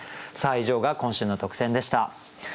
以上が今週の特選でした。